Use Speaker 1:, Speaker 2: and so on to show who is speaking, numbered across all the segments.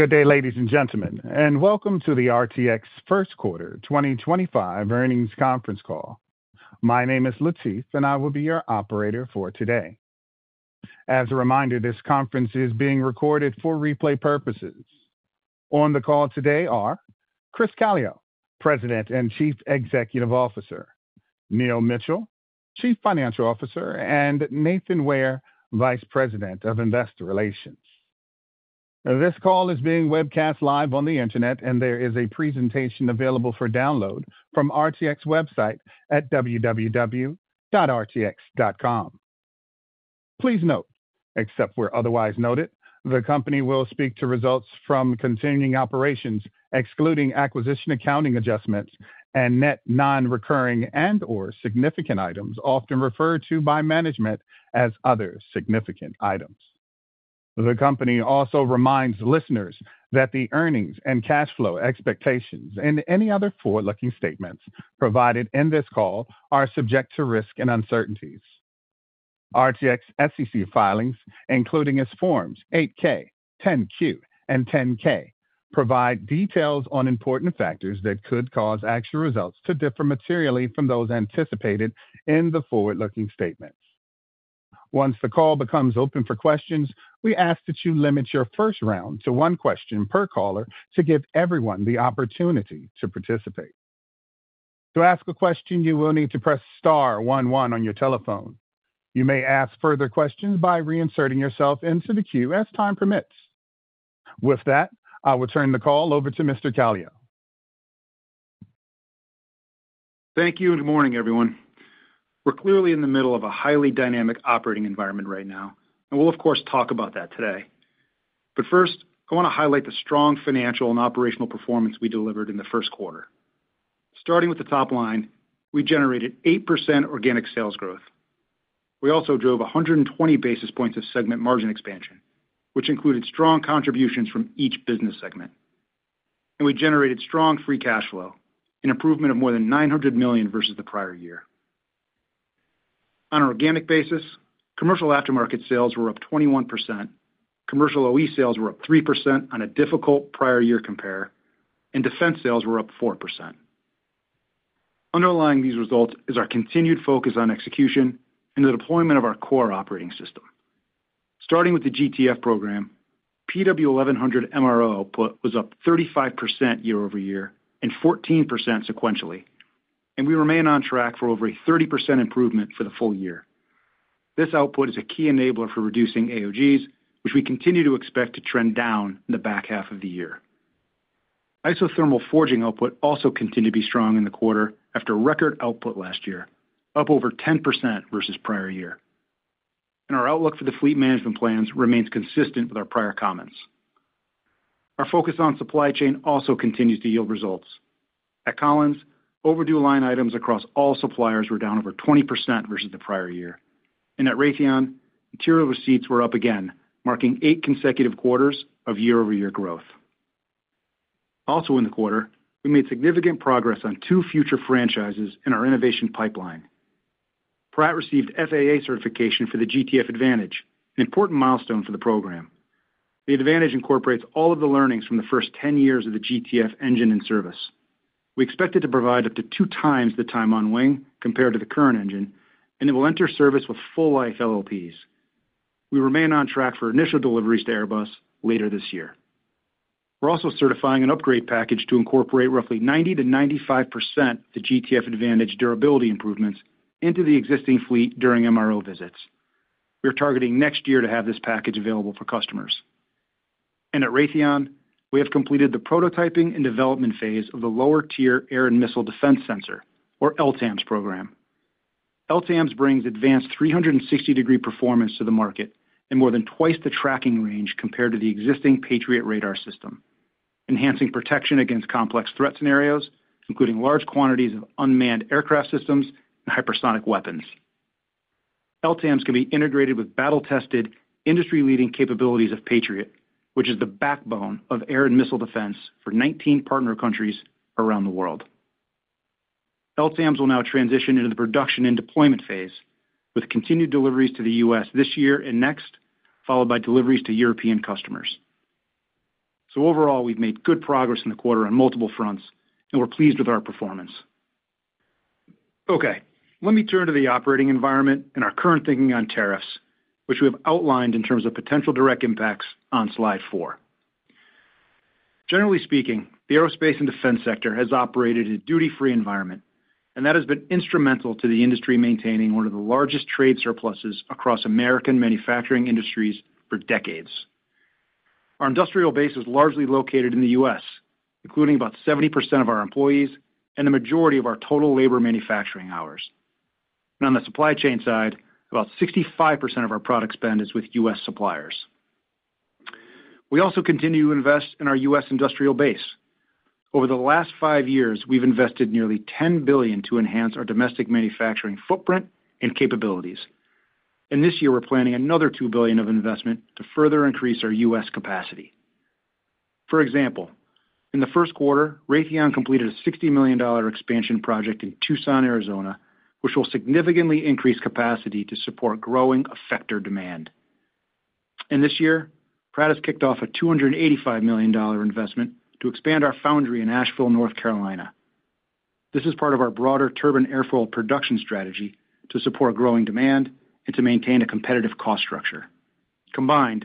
Speaker 1: Good day, ladies and gentlemen, and welcome to the RTX First Quarter 2025 earnings conference call. My name is Latif, and I will be your operator for today. As a reminder, this conference is being recorded for replay purposes. On the call today are Chris Calio, President and Chief Executive Officer; Neil Mitchill, Chief Financial Officer; and Nathan Ware, Vice President of Investor Relations. This call is being webcast live on the internet, and there is a presentation available for download from the RTX website at www.rtx.com. Please note, except where otherwise noted, the company will speak to results from continuing operations, excluding acquisition accounting adjustments and net non-recurring and/or significant items, often referred to by management as other significant items. The company also reminds listeners that the earnings and cash flow expectations and any other forward-looking statements provided in this call are subject to risk and uncertainties. RTX SEC filings, including its forms 8-K, 10-Q, and 10-K, provide details on important factors that could cause actual results to differ materially from those anticipated in the forward-looking statements. Once the call becomes open for questions, we ask that you limit your first round to one question per caller to give everyone the opportunity to participate. To ask a question, you will need to press Star 1-1 on your telephone. You may ask further questions by reinserting yourself into the queue as time permits. With that, I will turn the call over to Mr. Calio.
Speaker 2: Thank you, and good morning, everyone. We're clearly in the middle of a highly dynamic operating environment right now, and we'll, of course, talk about that today. First, I want to highlight the strong financial and operational performance we delivered in the first quarter. Starting with the top line, we generated 8% organic sales growth. We also drove 120 basis points of segment margin expansion, which included strong contributions from each business segment. We generated strong free cash flow, an improvement of more than $900 million versus the prior year. On an organic basis, commercial aftermarket sales were up 21%, commercial OE sales were up 3% on a difficult prior year compare, and defense sales were up 4%. Underlying these results is our continued focus on execution and the deployment of our core operating system. Starting with the GTF program, PW1100 MRO output was up 35% year over year and 14% sequentially, and we remain on track for over a 30% improvement for the full year. This output is a key enabler for reducing AOGs, which we continue to expect to trend down in the back half of the year. Isothermal forging output also continued to be strong in the quarter after record output last year, up over 10% versus prior year. Our outlook for the fleet management plans remains consistent with our prior comments. Our focus on supply chain also continues to yield results. At Collins, overdue line items across all suppliers were down over 20% versus the prior year. At Raytheon, material receipts were up again, marking eight consecutive quarters of year-over-year growth. Also in the quarter, we made significant progress on two future franchises in our innovation pipeline. Pratt received FAA certification for the GTF Advantage, an important milestone for the program. The Advantage incorporates all of the learnings from the first 10 years of the GTF engine in service. We expect it to provide up to two times the time unwing compared to the current engine, and it will enter service with full-life LLPs. We remain on track for initial deliveries to Airbus later this year. We are also certifying an upgrade package to incorporate roughly 90-95% of the GTF Advantage durability improvements into the existing fleet during MRO visits. We are targeting next year to have this package available for customers. At Raytheon, we have completed the prototyping and development phase of the lower tier air and missile defense sensor, or LTAMDS program. LTAMDS brings advanced 360-degree performance to the market and more than twice the tracking range compared to the existing Patriot radar system, enhancing protection against complex threat scenarios, including large quantities of unmanned aircraft systems and hypersonic weapons. LTAMDS can be integrated with battle-tested, industry-leading capabilities of Patriot, which is the backbone of air and missile defense for 19 partner countries around the world. LTAMDS will now transition into the production and deployment phase, with continued deliveries to the U.S. this year and next, followed by deliveries to European customers. Overall, we've made good progress in the quarter on multiple fronts, and we're pleased with our performance. Okay, let me turn to the operating environment and our current thinking on tariffs, which we have outlined in terms of potential direct impacts on slide four. Generally speaking, the aerospace and defense sector has operated in a duty-free environment, and that has been instrumental to the industry maintaining one of the largest trade surpluses across American manufacturing industries for decades. Our industrial base is largely located in the U.S., including about 70% of our employees and the majority of our total labor manufacturing hours. On the supply chain side, about 65% of our product spend is with U.S. suppliers. We also continue to invest in our U.S. industrial base. Over the last five years, we've invested nearly $10 billion to enhance our domestic manufacturing footprint and capabilities. This year, we're planning another $2 billion of investment to further increase our U.S. capacity. For example, in the first quarter, Raytheon completed a $60 million expansion project in Tucson, Arizona, which will significantly increase capacity to support growing effector demand. Pratt has kicked off a $285 million investment to expand our foundry in Asheville, North Carolina this year. This is part of our broader turbine airfoil production strategy to support growing demand and to maintain a competitive cost structure. Combined,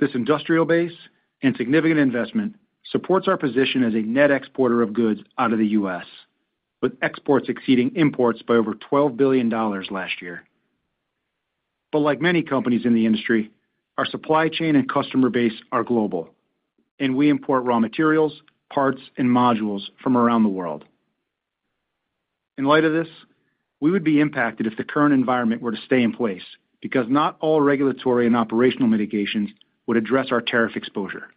Speaker 2: this industrial base and significant investment supports our position as a net exporter of goods out of the U.S., with exports exceeding imports by over $12 billion last year. Like many companies in the industry, our supply chain and customer base are global, and we import raw materials, parts, and modules from around the world. In light of this, we would be impacted if the current environment were to stay in place because not all regulatory and operational mitigations would address our tariff exposure.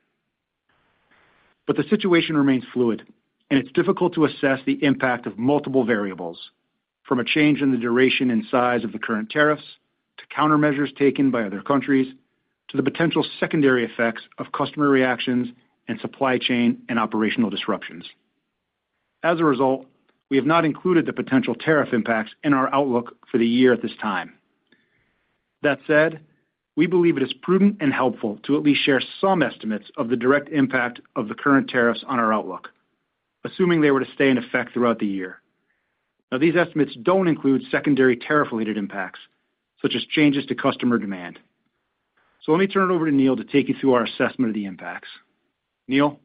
Speaker 2: The situation remains fluid, and it's difficult to assess the impact of multiple variables, from a change in the duration and size of the current tariffs to countermeasures taken by other countries to the potential secondary effects of customer reactions and supply chain and operational disruptions. As a result, we have not included the potential tariff impacts in our outlook for the year at this time. That said, we believe it is prudent and helpful to at least share some estimates of the direct impact of the current tariffs on our outlook, assuming they were to stay in effect throughout the year. These estimates don't include secondary tariff-related impacts, such as changes to customer demand. Let me turn it over to Neil to take you through our assessment of the impacts. Neil?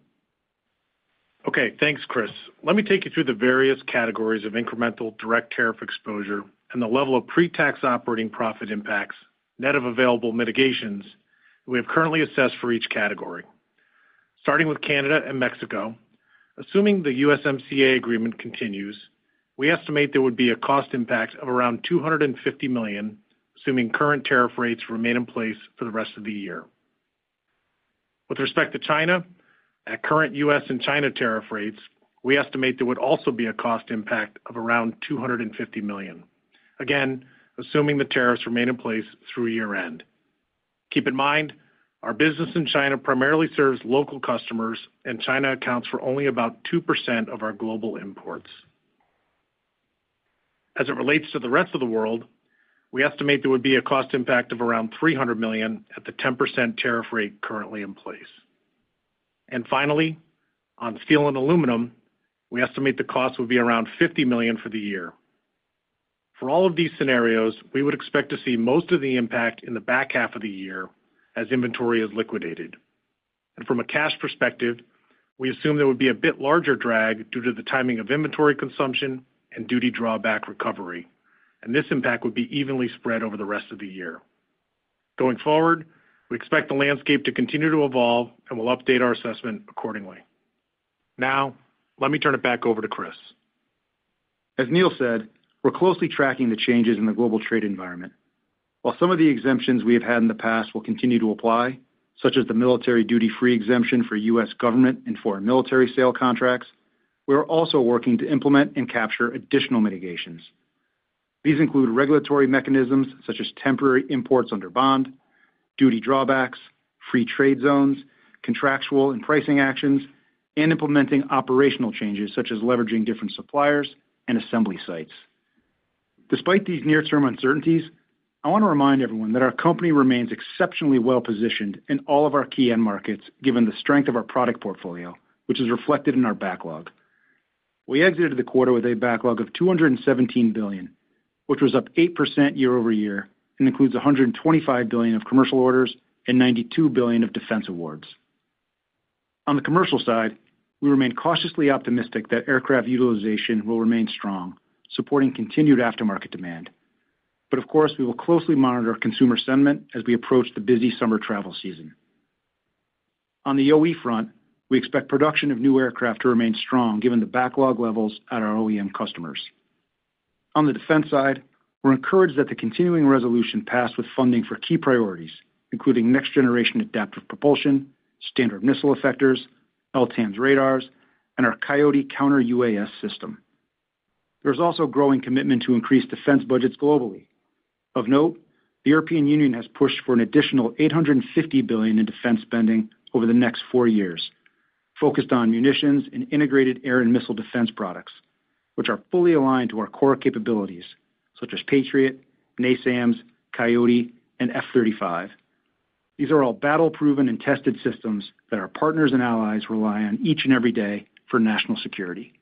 Speaker 3: Okay, thanks, Chris. Let me take you through the various categories of incremental direct tariff exposure and the level of pre-tax operating profit impacts, net of available mitigations we have currently assessed for each category. Starting with Canada and Mexico, assuming the USMCA agreement continues, we estimate there would be a cost impact of around $250 million, assuming current tariff rates remain in place for the rest of the year. With respect to China, at current U.S. and China tariff rates, we estimate there would also be a cost impact of around $250 million, again, assuming the tariffs remain in place through year-end. Keep in mind, our business in China primarily serves local customers, and China accounts for only about 2% of our global imports. As it relates to the rest of the world, we estimate there would be a cost impact of around $300 million at the 10% tariff rate currently in place. Finally, on steel and aluminum, we estimate the cost would be around $50 million for the year. For all of these scenarios, we would expect to see most of the impact in the back half of the year as inventory is liquidated. From a cash perspective, we assume there would be a bit larger drag due to the timing of inventory consumption and duty drawback recovery, and this impact would be evenly spread over the rest of the year. Going forward, we expect the landscape to continue to evolve, and we'll update our assessment accordingly. Now, let me turn it back over to Chris.
Speaker 2: As Neil said, we're closely tracking the changes in the global trade environment. While some of the exemptions we have had in the past will continue to apply, such as the military duty-free exemption for U.S. government and foreign military sale contracts, we are also working to implement and capture additional mitigations. These include regulatory mechanisms such as temporary imports under bond, duty drawbacks, free trade zones, contractual and pricing actions, and implementing operational changes such as leveraging different suppliers and assembly sites. Despite these near-term uncertainties, I want to remind everyone that our company remains exceptionally well-positioned in all of our key end markets, given the strength of our product portfolio, which is reflected in our backlog. We exited the quarter with a backlog of $217 billion, which was up 8% year-over-year and includes $125 billion of commercial orders and $92 billion of defense awards. On the commercial side, we remain cautiously optimistic that aircraft utilization will remain strong, supporting continued aftermarket demand. Of course, we will closely monitor consumer sentiment as we approach the busy summer travel season. On the OE front, we expect production of new aircraft to remain strong, given the backlog levels at our OEM customers. On the defense side, we're encouraged that the continuing resolution passed with funding for key priorities, including next-generation adaptive propulsion, standard missile effectors, LTAMDS radars, and our Coyote counter-UAS system. There is also a growing commitment to increase defense budgets globally. Of note, the European Union has pushed for an additional $850 billion in defense spending over the next four years, focused on munitions and integrated air and missile defense products, which are fully aligned to our core capabilities, such as Patriot, NASAMS, Coyote, and F-35. These are all battle-proven and tested systems that our partners and allies rely on each and every day for national security.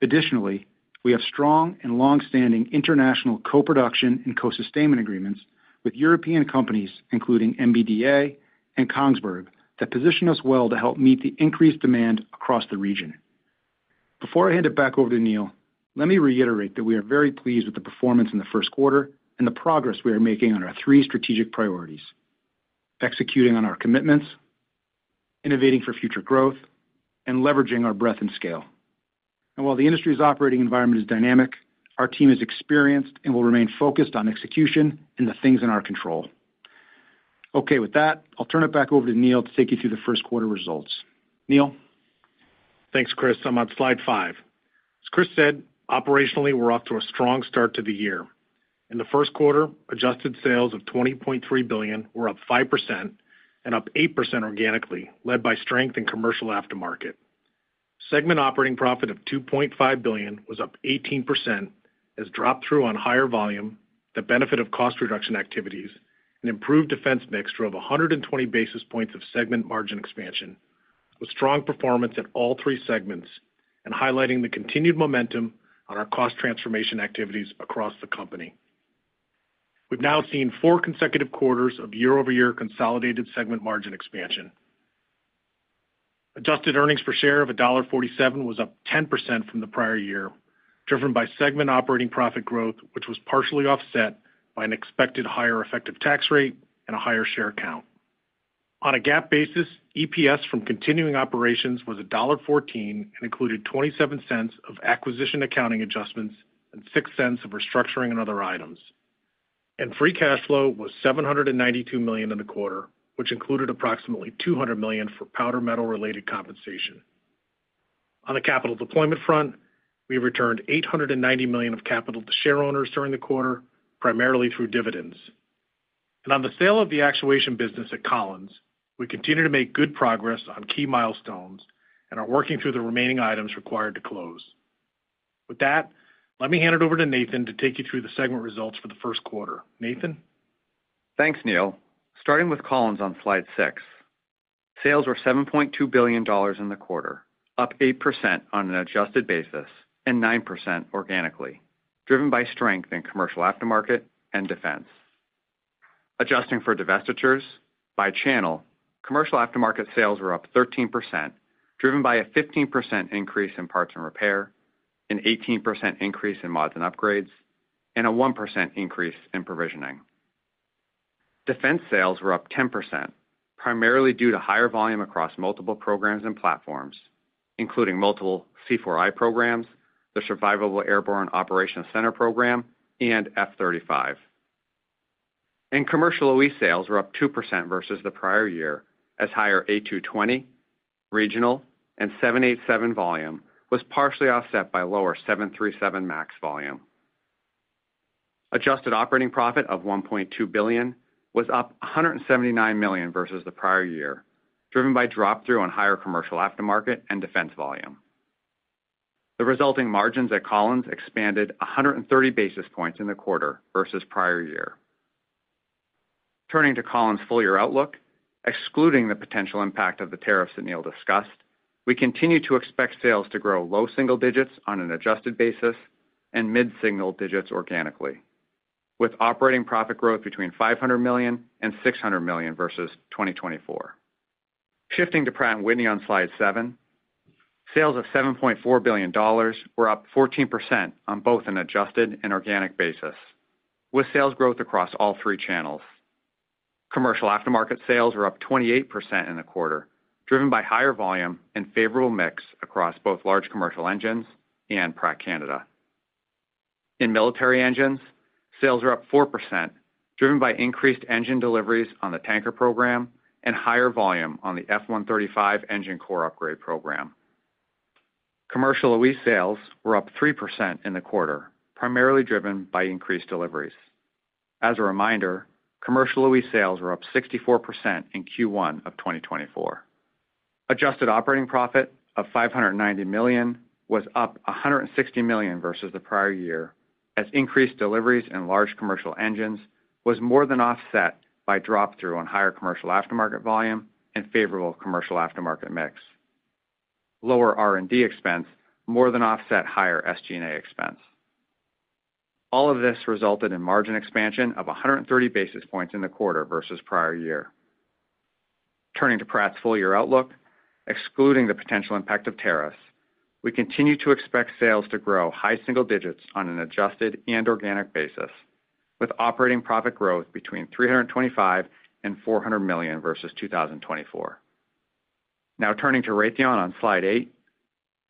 Speaker 2: Additionally, we have strong and long-standing international co-production and co-sustainment agreements with European companies, including MBDA and KONGSBERG, that position us well to help meet the increased demand across the region. Before I hand it back over to Neil, let me reiterate that we are very pleased with the performance in the first quarter and the progress we are making on our three strategic priorities: executing on our commitments, innovating for future growth, and leveraging our breadth and scale. While the industry's operating environment is dynamic, our team is experienced and will remain focused on execution and the things in our control. Okay, with that, I'll turn it back over to Neil to take you through the first quarter results. Neil?
Speaker 3: Thanks, Chris. I'm on slide five. As Chris said, operationally, we're off to a strong start to the year. In the first quarter, adjusted sales of $20.3 billion were up 5% and up 8% organically, led by strength in commercial aftermarket. Segment operating profit of $2.5 billion was up 18% as drop-through on higher volume, the benefit of cost reduction activities, and improved defense mix drove 120 basis points of segment margin expansion, with strong performance at all three segments and highlighting the continued momentum on our cost transformation activities across the company. We've now seen four consecutive quarters of year-over-year consolidated segment margin expansion. Adjusted earnings per share of $1.47 was up 10% from the prior year, driven by segment operating profit growth, which was partially offset by an expected higher effective tax rate and a higher share count. On a GAAP basis, EPS from continuing operations was $1.14 and included $0.27 of acquisition accounting adjustments and $0.06 of restructuring and other items. Free cash flow was $792 million in the quarter, which included approximately $200 million for powder metal-related compensation. On the capital deployment front, we have returned $890 million of capital to shareowners during the quarter, primarily through dividends. On the sale of the actuation business at Collins, we continue to make good progress on key milestones and are working through the remaining items required to close. With that, let me hand it over to Nathan to take you through the segment results for the first quarter. Nathan?
Speaker 4: Thanks, Neil. Starting with Collins on slide six, sales were $7.2 billion in the quarter, up 8% on an adjusted basis and 9% organically, driven by strength in commercial aftermarket and defense. Adjusting for divestitures, by channel, commercial aftermarket sales were up 13%, driven by a 15% increase in parts and repair, an 18% increase in mods and upgrades, and a 1% increase in provisioning. Defense sales were up 10%, primarily due to higher volume across multiple programs and platforms, including multiple C4I programs, the Survivable Airborne Operations Center program, and F-35. Commercial OE sales were up 2% versus the prior year, as higher A220 regional and 787 volume was partially offset by lower 737 MAX volume. Adjusted operating profit of $1.2 billion was up $179 million versus the prior year, driven by drop-through on higher commercial aftermarket and defense volume. The resulting margins at Collins expanded 130 basis points in the quarter versus prior year. Turning to Collins' full-year outlook, excluding the potential impact of the tariffs that Neil discussed, we continue to expect sales to grow low single digits on an adjusted basis and mid-single digits organically, with operating profit growth between $500 million and $600 million versus 2024. Shifting to Pratt & Whitney on slide seven, sales of $7.4 billion were up 14% on both an adjusted and organic basis, with sales growth across all three channels. Commercial aftermarket sales were up 28% in the quarter, driven by higher volume and favorable mix across both large commercial engines and Pratt Canada. In military engines, sales were up 4%, driven by increased engine deliveries on the tanker program and higher volume on the F-135 engine core upgrade program. Commercial OE sales were up 3% in the quarter, primarily driven by increased deliveries. As a reminder, commercial OE sales were up 64% in Q1 of 2024. Adjusted operating profit of $590 million was up $160 million versus the prior year, as increased deliveries in large commercial engines was more than offset by drop-through on higher commercial aftermarket volume and favorable commercial aftermarket mix. Lower R&D expense more than offset higher SG&A expense. All of this resulted in margin expansion of 130 basis points in the quarter versus prior year. Turning to Pratt's full-year outlook, excluding the potential impact of tariffs, we continue to expect sales to grow high single digits on an adjusted and organic basis, with operating profit growth between $325 and $400 million versus 2024. Now turning to Raytheon on slide eight,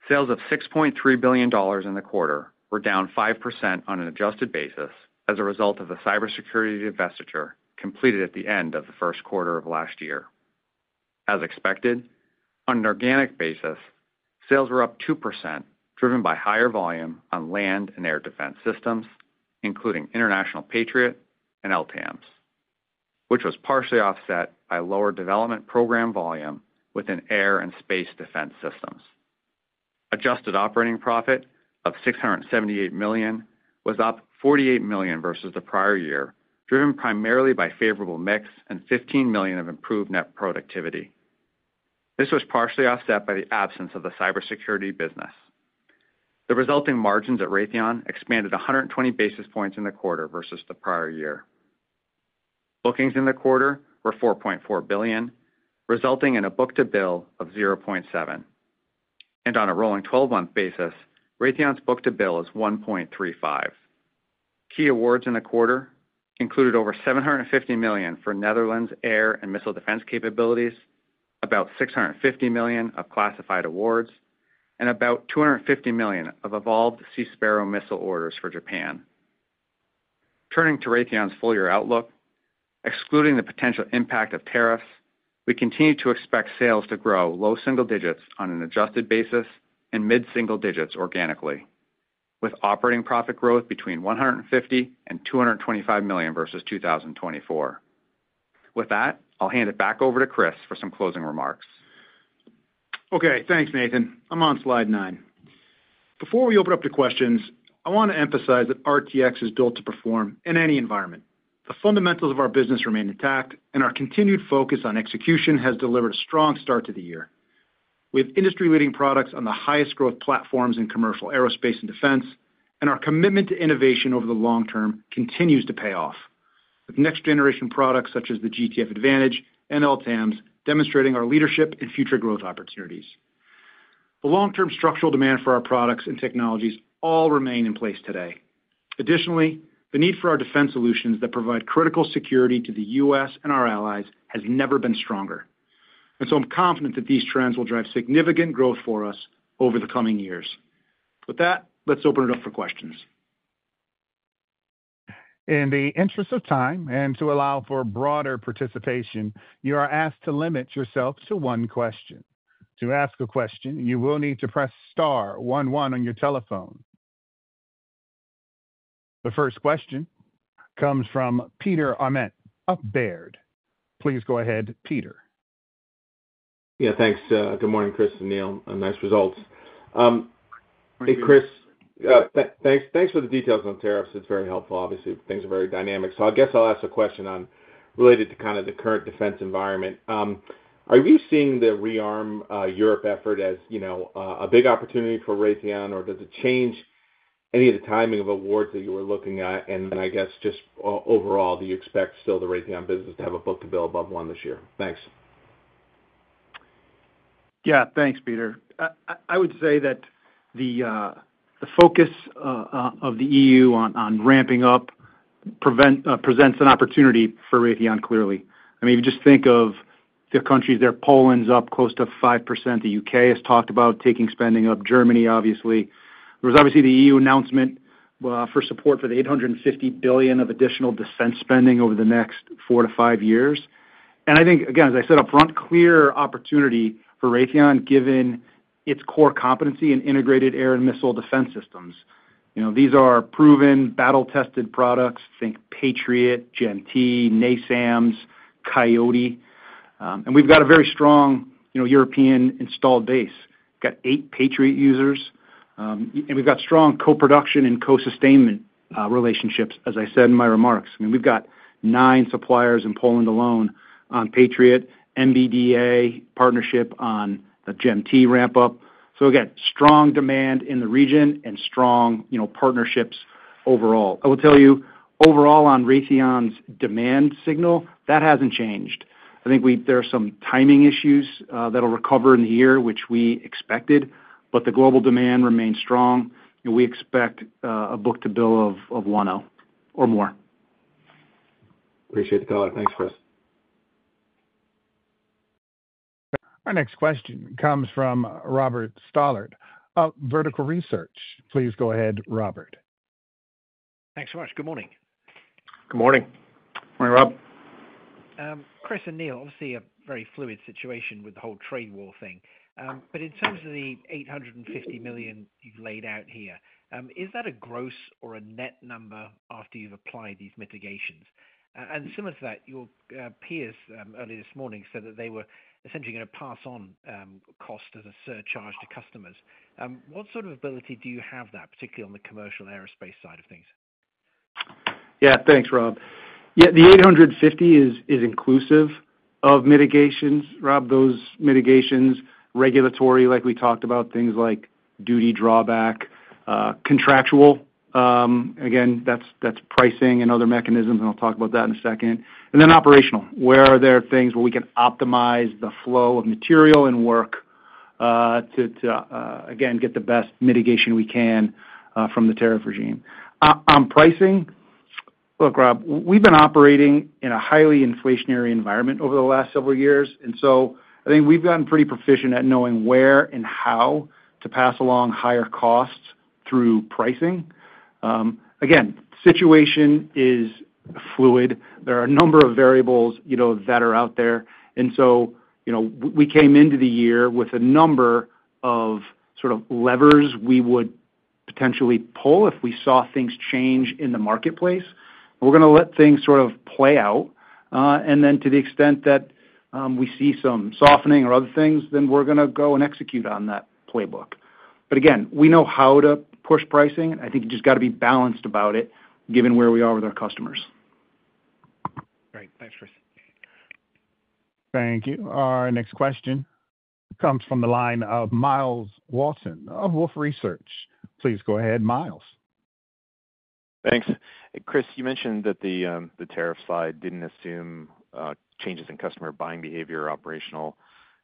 Speaker 4: sales of $6.3 billion in the quarter were down 5% on an adjusted basis as a result of the cybersecurity divestiture completed at the end of the first quarter of last year. As expected, on an organic basis, sales were up 2%, driven by higher volume on land and air defense systems, including International Patriot and LTAMDS, which was partially offset by lower development program volume within air and space defense systems. Adjusted operating profit of $678 million was up $48 million versus the prior year, driven primarily by favorable mix and $15 million of improved net productivity. This was partially offset by the absence of the cybersecurity business. The resulting margins at Raytheon expanded 120 basis points in the quarter versus the prior year. Bookings in the quarter were $4.4 billion, resulting in a book-to-bill of $0.7. On a rolling 12-month basis, Raytheon's book-to-bill is $1.35. Key awards in the quarter included over $750 million for Netherlands' air and missile defense capabilities, about $650 million of classified awards, and about $250 million of Evolved Sea Sparrow Missile orders for Japan. Turning to Raytheon's full-year outlook, excluding the potential impact of tariffs, we continue to expect sales to grow low single digits on an adjusted basis and mid-single digits organically, with operating profit growth between $150 million and $225 million versus 2024. With that, I'll hand it back over to Chris for some closing remarks.
Speaker 2: Okay, thanks, Nathan. I'm on slide nine. Before we open up to questions, I want to emphasize that RTX is built to perform in any environment. The fundamentals of our business remain intact, and our continued focus on execution has delivered a strong start to the year. We have industry-leading products on the highest growth platforms in commercial aerospace and defense, and our commitment to innovation over the long term continues to pay off, with next-generation products such as the GTF Advantage and LTAMDS demonstrating our leadership and future growth opportunities. The long-term structural demand for our products and technologies all remain in place today. Additionally, the need for our defense solutions that provide critical security to the U.S. and our allies has never been stronger. I am confident that these trends will drive significant growth for us over the coming years. With that, let's open it up for questions.
Speaker 1: In the interest of time and to allow for broader participation, you are asked to limit yourself to one question. To ask a question, you will need to press star 11 on your telephone. The first question comes from Peter Arment of Baird. Please go ahead, Peter.
Speaker 5: Yeah, thanks. Good morning, Chris and Neil. Nice results. Hey, Chris. Thanks for the details on tariffs. It's very helpful, obviously. Things are very dynamic. I guess I'll ask a question related to kind of the current defense environment. Are you seeing the rearm Europe effort as a big opportunity for Raytheon, or does it change any of the timing of awards that you were looking at? I guess just overall, do you expect still the Raytheon business to have a book-to-bill above one this year? Thanks.
Speaker 2: Yeah, thanks, Peter. I would say that the focus of the EU on ramping up presents an opportunity for Raytheon clearly. I mean, if you just think of the countries, their Poland's up close to 5%. The U.K. has talked about taking spending up. Germany, obviously. There was obviously the EU announcement for support for the $850 billion of additional defense spending over the next four to five years. I think, again, as I said upfront, clear opportunity for Raytheon given its core competency in integrated air and missile defense systems. These are proven battle-tested products. Think Patriot, GMT, NASAMS, Coyote. We have a very strong European installed base. We have eight Patriot users. We have strong co-production and co-sustainment relationships, as I said in my remarks. I mean, we have nine suppliers in Poland alone on Patriot, MBDA partnership on the GMT ramp-up. Again, strong demand in the region and strong partnerships overall. I will tell you, overall on Raytheon's demand signal, that has not changed. I think there are some timing issues that will recover in the year, which we expected, but the global demand remains strong. We expect a book-to-bill of 10 or more.
Speaker 5: Appreciate the call. Thanks, Chris.
Speaker 1: Our next question comes from Robert Stallard. Vertical Research. Please go ahead, Robert.
Speaker 6: Thanks so much. Good morning.
Speaker 2: Good morning. Good morning, Rob.
Speaker 6: Chris and Neil, obviously a very fluid situation with the whole trade war thing. In terms of the $850 million you've laid out here, is that a gross or a net number after you've applied these mitigations? Similar to that, your peers earlier this morning said that they were essentially going to pass on cost as a surcharge to customers. What sort of ability do you have there, particularly on the commercial aerospace side of things?
Speaker 2: Yeah, thanks, Rob. Yeah, the $850 is inclusive of mitigations, Rob. Those mitigations, regulatory, like we talked about, things like duty drawback, contractual. Again, that's pricing and other mechanisms, and I'll talk about that in a second. Then operational, where are there things where we can optimize the flow of material and work to, again, get the best mitigation we can from the tariff regime? On pricing, look, Rob, we've been operating in a highly inflationary environment over the last several years. I think we've gotten pretty proficient at knowing where and how to pass along higher costs through pricing. The situation is fluid. There are a number of variables that are out there. We came into the year with a number of sort of levers we would potentially pull if we saw things change in the marketplace. We're going to let things sort of play out. To the extent that we see some softening or other things, we're going to go and execute on that playbook. Again, we know how to push pricing. I think you just got to be balanced about it, given where we are with our customers.
Speaker 6: Great. Thanks, Chris.
Speaker 1: Thank you. Our next question comes from the line of Myles Walton of Wolfe Research. Please go ahead, Miles.
Speaker 7: Thanks. Chris, you mentioned that the tariff slide did not assume changes in customer buying behavior or operational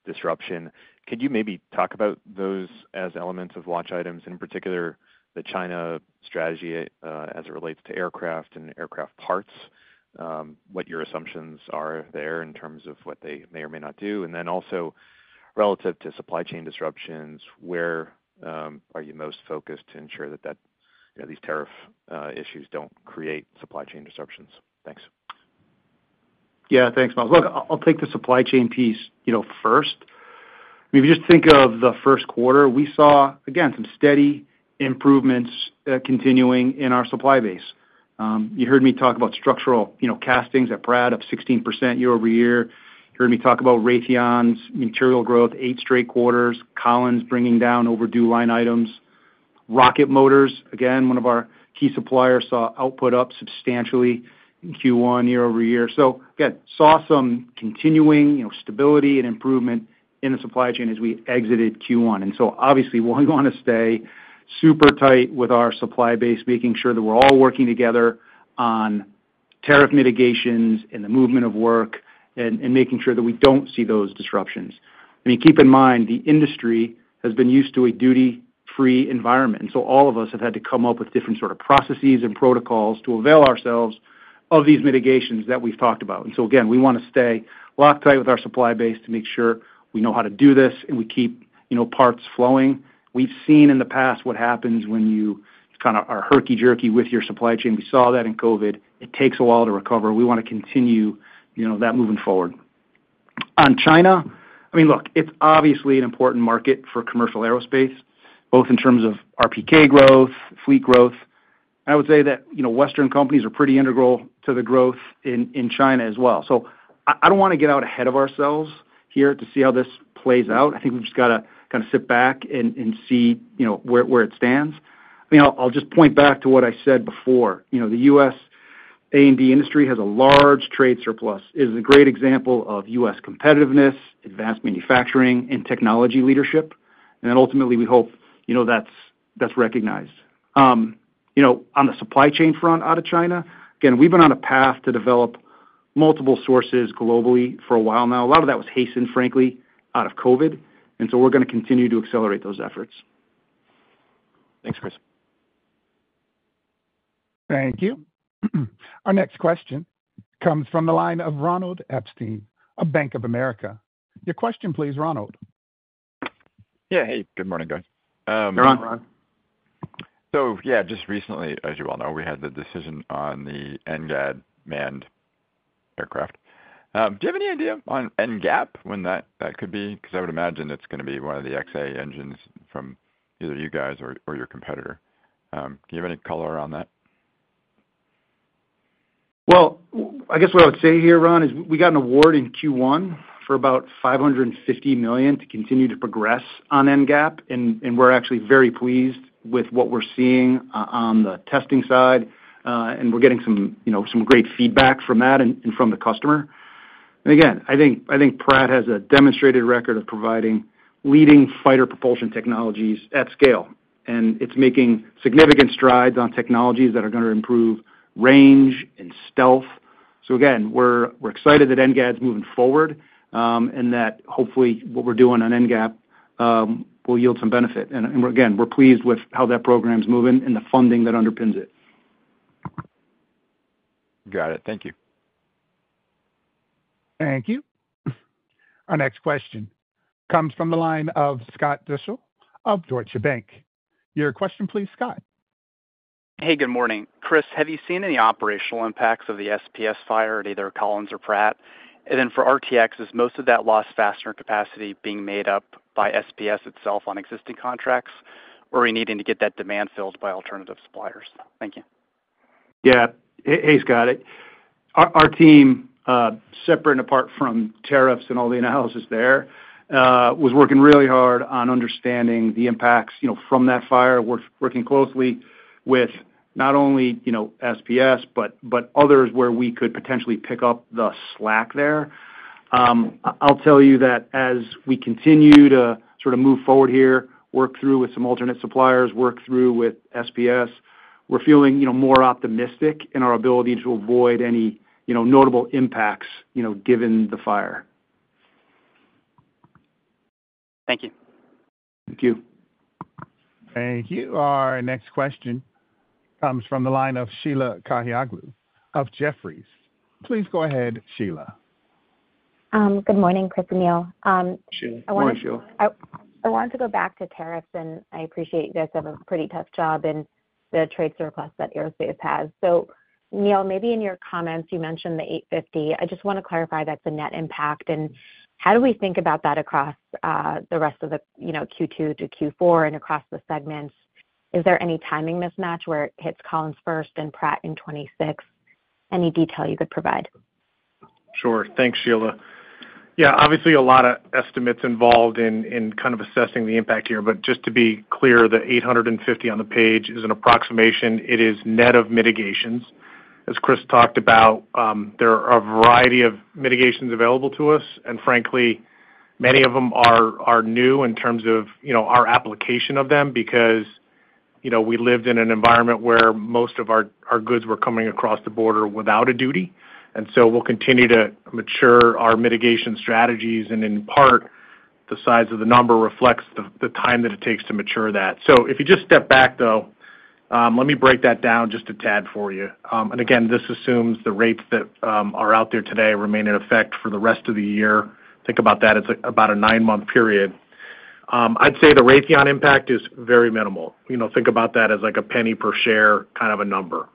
Speaker 7: disruption. Could you maybe talk about those as elements of watch items, in particular the China strategy as it relates to aircraft and aircraft parts, what your assumptions are there in terms of what they may or may not do? Also, relative to supply chain disruptions, where are you most focused to ensure that these tariff issues do not create supply chain disruptions? Thanks.
Speaker 2: Yeah, thanks, Myles. Look, I'll take the supply chain piece first. If you just think of the first quarter, we saw, again, some steady improvements continuing in our supply base. You heard me talk about structural castings at Pratt of 16% year over year. You heard me talk about Raytheon's material growth, eight straight quarters, Collins bringing down overdue line items. Rocket Motors, again, one of our key suppliers, saw output up substantially in Q1 year over year. Again, saw some continuing stability and improvement in the supply chain as we exited Q1. Obviously, we want to stay super tight with our supply base, making sure that we're all working together on tariff mitigations and the movement of work and making sure that we don't see those disruptions. I mean, keep in mind, the industry has been used to a duty-free environment. All of us have had to come up with different sort of processes and protocols to avail ourselves of these mitigations that we've talked about. We want to stay locked tight with our supply base to make sure we know how to do this and we keep parts flowing. We've seen in the past what happens when you kind of are herky-jerky with your supply chain. We saw that in COVID. It takes a while to recover. We want to continue that moving forward. On China, I mean, look, it's obviously an important market for commercial aerospace, both in terms of RPK growth, fleet growth. I would say that Western companies are pretty integral to the growth in China as well. I do not want to get out ahead of ourselves here to see how this plays out. I think we've just got to kind of sit back and see where it stands. I mean, I'll just point back to what I said before. The U.S. A&D industry has a large trade surplus, is a great example of U.S. competitiveness, advanced manufacturing, and technology leadership. Ultimately, we hope that's recognized. On the supply chain front out of China, again, we've been on a path to develop multiple sources globally for a while now. A lot of that was hastened, frankly, out of COVID. We're going to continue to accelerate those efforts.
Speaker 8: Thanks, Chris.
Speaker 1: Thank you. Our next question comes from the line of Ronald Epstein, of Bank of America. Your question, please, Ronald.
Speaker 9: Yeah, hey, good morning, guys.
Speaker 2: Hey, Ronald.
Speaker 9: Just recently, as you all know, we had the decision on the NGAD manned aircraft. Do you have any idea on NGAP when that could be? Because I would imagine it's going to be one of the XA engines from either you guys or your competitor. Do you have any color on that?
Speaker 2: I guess what I would say here, Ron, is we got an award in Q1 for about $550 million to continue to progress on NGAP. We are actually very pleased with what we are seeing on the testing side. We are getting some great feedback from that and from the customer. I think Pratt has a demonstrated record of providing leading fighter propulsion technologies at scale. It is making significant strides on technologies that are going to improve range and stealth. We are excited that NGAD's moving forward and that hopefully what we are doing on NGAP will yield some benefit. We are pleased with how that program's moving and the funding that underpins it.
Speaker 9: Got it. Thank you.
Speaker 1: Thank you. Our next question comes from the line of Scott Deuschle of Deutsche Bank. Your question, please, Scott.
Speaker 10: Hey, good morning. Chris, have you seen any operational impacts of the SPS fire at either Collins or Pratt? For RTX, is most of that loss fastener capacity being made up by SPS itself on existing contracts, or are you needing to get that demand filled by alternative suppliers? Thank you.
Speaker 2: Yeah. Hey, Scott. Our team, separate and apart from tariffs and all the analysis there, was working really hard on understanding the impacts from that fire. We're working closely with not only SPS, but others where we could potentially pick up the slack there. I'll tell you that as we continue to sort of move forward here, work through with some alternate suppliers, work through with SPS, we're feeling more optimistic in our ability to avoid any notable impacts given the fire.
Speaker 10: Thank you.
Speaker 2: Thank you.
Speaker 1: Thank you. Our next question comes from the line of Sheila Kahyaoglu of Jefferies. Please go ahead, Sheila.
Speaker 11: Good morning, Chris and Neil. I wanted to.
Speaker 2: Sheila. Go ahead, Sheila.
Speaker 11: I wanted to go back to tariffs, and I appreciate you guys have a pretty tough job in the trade surplus that aerospace has. Neil, maybe in your comments, you mentioned the $850. I just want to clarify that's a net impact. How do we think about that across the rest of the Q2 to Q4 and across the segments? Is there any timing mismatch where it hits Collins first and Pratt in 2026? Any detail you could provide?
Speaker 3: Sure. Thanks, Sheila. Yeah, obviously a lot of estimates involved in kind of assessing the impact here. Just to be clear, the $850 on the page is an approximation. It is net of mitigations. As Chris talked about, there are a variety of mitigations available to us. Frankly, many of them are new in terms of our application of them because we lived in an environment where most of our goods were coming across the border without a duty. We will continue to mature our mitigation strategies. In part, the size of the number reflects the time that it takes to mature that. If you just step back, though, let me break that down just a tad for you. Again, this assumes the rates that are out there today remain in effect for the rest of the year. Think about that. It's about a nine-month period. I'd say the Raytheon impact is very minimal. Think about that as like a penny per share kind of a number.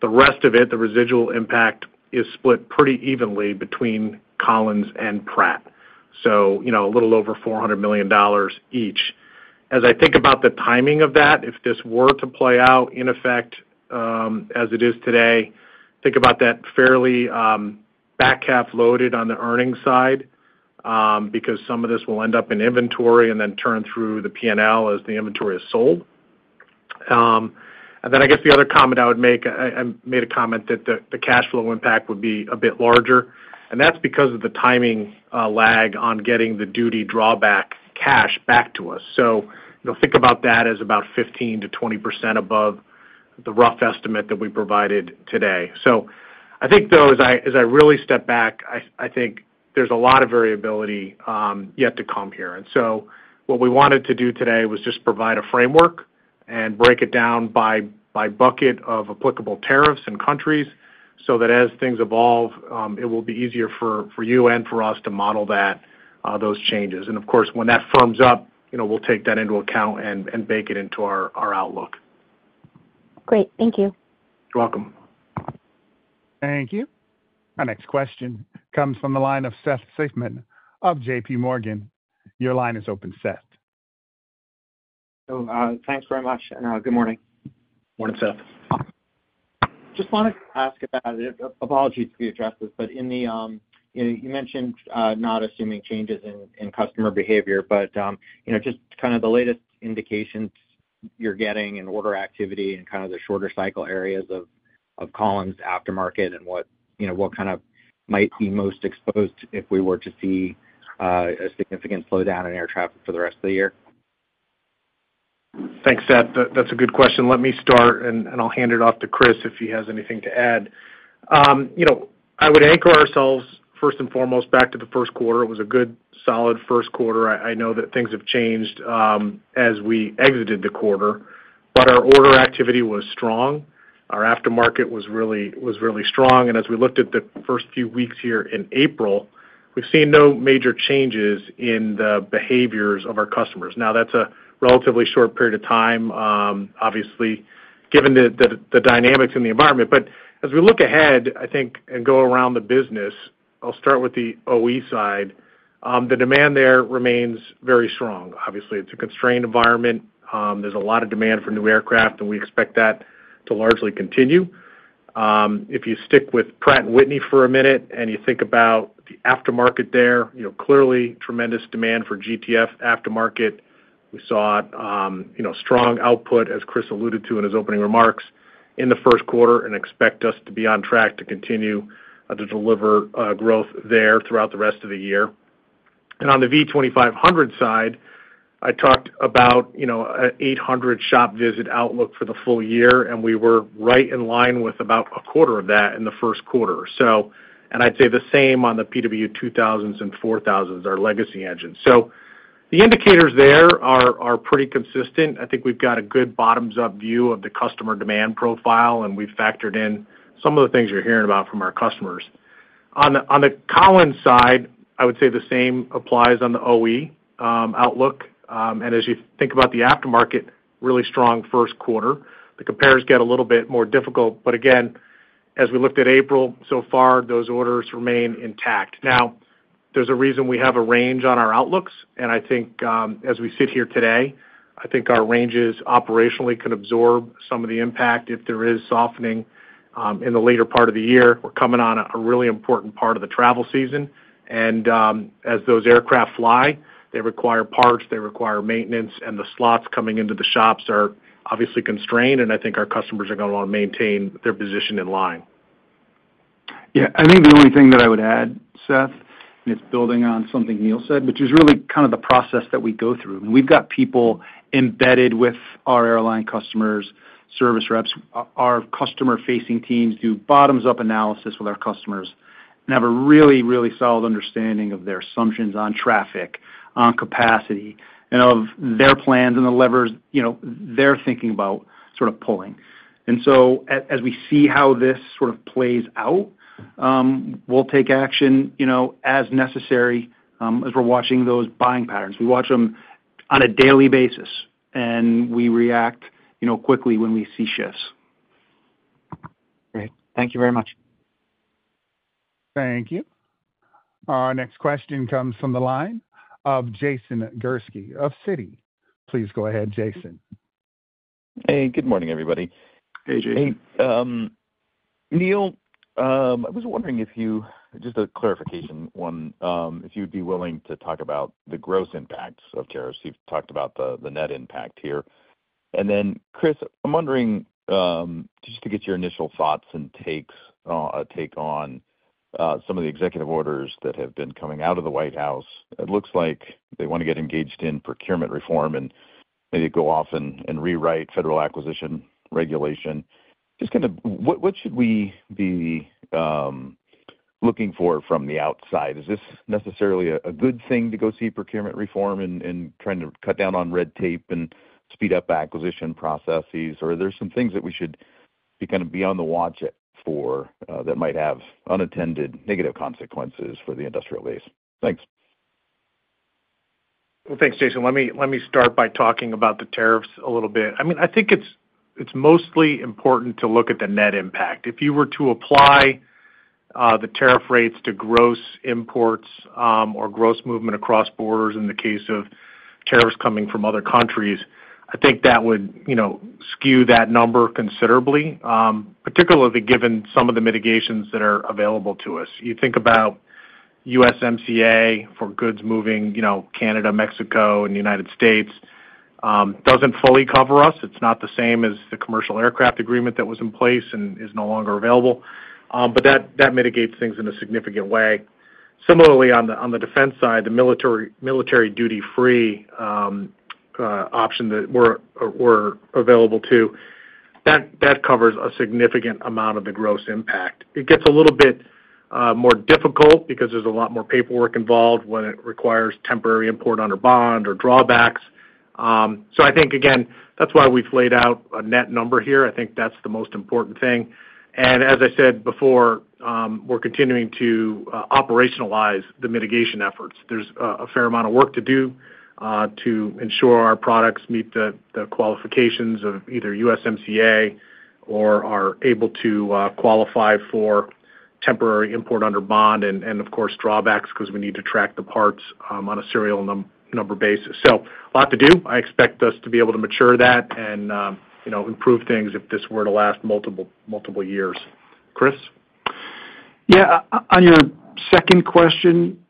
Speaker 3: The rest of it, the residual impact, is split pretty evenly between Collins and Pratt. So a little over $400 million each. As I think about the timing of that, if this were to play out in effect as it is today, think about that fairly back half loaded on the earnings side because some of this will end up in inventory and then turn through the P&L as the inventory is sold. I guess the other comment I would make, I made a comment that the cash flow impact would be a bit larger. That's because of the timing lag on getting the duty drawback cash back to us. Think about that as about 15%-20% above the rough estimate that we provided today. I think, though, as I really step back, I think there's a lot of variability yet to come here. What we wanted to do today was just provide a framework and break it down by bucket of applicable tariffs and countries so that as things evolve, it will be easier for you and for us to model those changes. Of course, when that firms up, we'll take that into account and bake it into our outlook.
Speaker 11: Great. Thank you.
Speaker 3: You're welcome.
Speaker 1: Thank you. Our next question comes from the line of Seth Seifman of JPMorgan. Your line is open, Seth.
Speaker 12: Thanks very much. Good morning.
Speaker 3: Morning, Seth.
Speaker 12: Just wanted to ask about it. Apologies if we addressed this, but you mentioned not assuming changes in customer behavior, but just kind of the latest indications you're getting in order activity and kind of the shorter cycle areas of Collins aftermarket and what kind of might be most exposed if we were to see a significant slowdown in air traffic for the rest of the year?
Speaker 3: Thanks, Seth. That's a good question. Let me start, and I'll hand it off to Chris if he has anything to add. I would anchor ourselves first and foremost back to the first quarter. It was a good, solid first quarter. I know that things have changed as we exited the quarter, but our order activity was strong. Our aftermarket was really strong. As we looked at the first few weeks here in April, we've seen no major changes in the behaviors of our customers. Now, that's a relatively short period of time, obviously, given the dynamics in the environment. As we look ahead, I think, and go around the business, I'll start with the OE side. The demand there remains very strong. Obviously, it's a constrained environment. There's a lot of demand for new aircraft, and we expect that to largely continue. If you stick with Pratt & Whitney for a minute and you think about the aftermarket there, clearly tremendous demand for GTF aftermarket. We saw strong output, as Chris alluded to in his opening remarks, in the first quarter and expect us to be on track to continue to deliver growth there throughout the rest of the year. On the V2500 side, I talked about an 800 shop visit outlook for the full year, and we were right in line with about a quarter of that in the first quarter. I'd say the same on the PW2000s and 4000s, our legacy engines. The indicators there are pretty consistent. I think we've got a good bottoms-up view of the customer demand profile, and we've factored in some of the things you're hearing about from our customers. On the Collins side, I would say the same applies on the OE outlook. As you think about the aftermarket, really strong first quarter. The comparison gets a little bit more difficult. Again, as we looked at April, so far, those orders remain intact. There is a reason we have a range on our outlooks. I think as we sit here today, I think our ranges operationally can absorb some of the impact if there is softening in the later part of the year. We are coming on a really important part of the travel season. As those aircraft fly, they require parts, they require maintenance, and the slots coming into the shops are obviously constrained. I think our customers are going to want to maintain their position in line.
Speaker 2: Yeah. I think the only thing that I would add, Seth, and it's building on something Neil said, which is really kind of the process that we go through. We've got people embedded with our airline customers, service reps. Our customer-facing teams do bottoms-up analysis with our customers and have a really, really solid understanding of their assumptions on traffic, on capacity, and of their plans and the levers they're thinking about sort of pulling. As we see how this sort of plays out, we'll take action as necessary as we're watching those buying patterns. We watch them on a daily basis, and we react quickly when we see shifts.
Speaker 12: Great. Thank you very much.
Speaker 1: Thank you. Our next question comes from the line of Jason Gursky of Citi. Please go ahead, Jason.
Speaker 13: Hey, good morning, everybody.
Speaker 3: Hey, Jason.
Speaker 13: Neil, I was wondering if you just a clarification one if you'd be willing to talk about the gross impacts of tariffs. You've talked about the net impact here. Chris, I'm wondering just to get your initial thoughts and takes on some of the executive orders that have been coming out of the White House. It looks like they want to get engaged in procurement reform and maybe go off and rewrite federal acquisition regulation. Just kind of what should we be looking for from the outside? Is this necessarily a good thing to go see procurement reform and trying to cut down on red tape and speed up acquisition processes? Or are there some things that we should be kind of be on the watch for that might have unattended negative consequences for the industrial base? Thanks.
Speaker 3: Thanks, Jason. Let me start by talking about the tariffs a little bit. I mean, I think it's mostly important to look at the net impact. If you were to apply the tariff rates to gross imports or gross movement across borders in the case of tariffs coming from other countries, I think that would skew that number considerably, particularly given some of the mitigations that are available to us. You think about USMCA for goods moving Canada, Mexico, and the United States. It doesn't fully cover us. It's not the same as the commercial aircraft agreement that was in place and is no longer available. That mitigates things in a significant way. Similarly, on the defense side, the military duty-free option that we're available to, that covers a significant amount of the gross impact. It gets a little bit more difficult because there's a lot more paperwork involved when it requires temporary import under bond or drawbacks. I think, again, that's why we've laid out a net number here. I think that's the most important thing. As I said before, we're continuing to operationalize the mitigation efforts. There's a fair amount of work to do to ensure our products meet the qualifications of either USMCA or are able to qualify for temporary import under bond and, of course, drawbacks because we need to track the parts on a serial number basis. A lot to do. I expect us to be able to mature that and improve things if this were to last multiple years. Chris?
Speaker 2: Yeah. On your second question,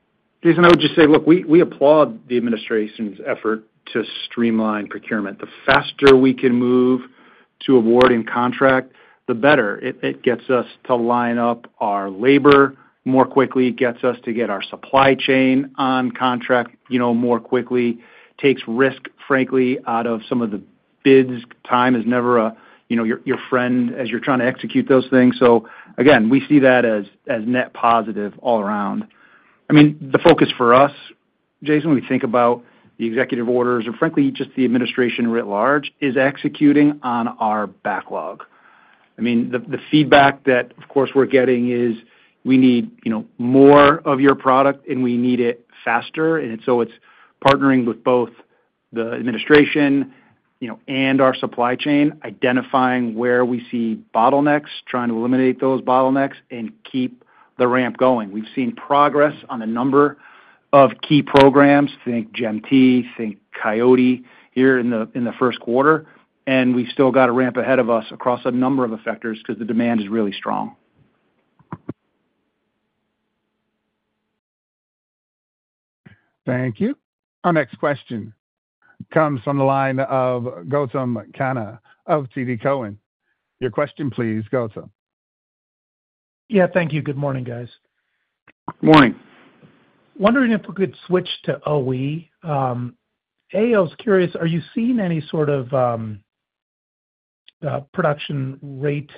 Speaker 2: Jason, I would just say, look, we applaud the administration's effort to streamline procurement. The faster we can move to awarding contract, the better. It gets us to line up our labor more quickly. It gets us to get our supply chain on contract more quickly. It takes risk, frankly, out of some of the bids. Time is never your friend as you're trying to execute those things. Again, we see that as net positive all around. I mean, the focus for us, Jason, when we think about the executive orders and, frankly, just the administration writ large, is executing on our backlog. I mean, the feedback that, of course, we're getting is we need more of your product, and we need it faster. It is partnering with both the administration and our supply chain, identifying where we see bottlenecks, trying to eliminate those bottlenecks, and keep the ramp going. We've seen progress on a number of key programs. Think GTF, think Coyote here in the first quarter. We've still got a ramp ahead of us across a number of effectors because the demand is really strong.
Speaker 1: Thank you. Our next question comes from the line of Gautam Khanna of TD Cowen. Your question, please, Gautam.
Speaker 14: Yeah. Thank you. Good morning, guys.
Speaker 2: Good morning.
Speaker 14: Wondering if we could switch to OE. AO is curious, are you seeing any sort of production rate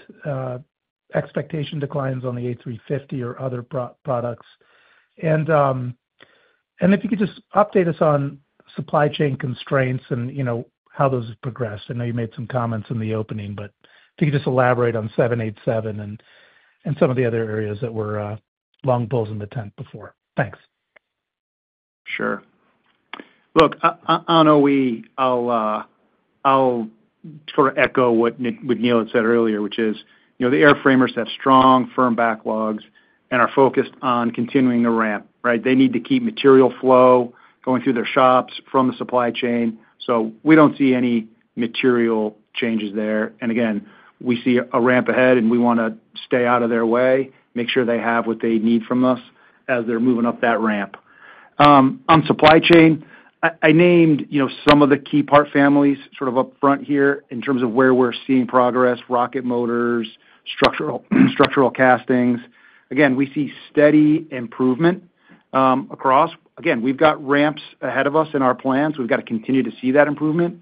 Speaker 14: expectation declines on the A350 or other products? If you could just update us on supply chain constraints and how those have progressed. I know you made some comments in the opening, but if you could just elaborate on 787 and some of the other areas that were long bulls in the tent before. Thanks.
Speaker 2: Sure. Look, on OE, I'll sort of echo what Neil had said earlier, which is the airframers have strong, firm backlogs and are focused on continuing the ramp, right? They need to keep material flow going through their shops from the supply chain. We do not see any material changes there. Again, we see a ramp ahead, and we want to stay out of their way, make sure they have what they need from us as they're moving up that ramp. On supply chain, I named some of the key part families sort of upfront here in terms of where we're seeing progress: rocket motors, structural castings. Again, we see steady improvement across. Again, we've got ramps ahead of us in our plans. We've got to continue to see that improvement.